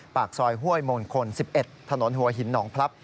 ปากซอยห้วยมงคล๑๑ถนนหัวหินหนองพลับ